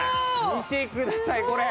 見てくださいこれ。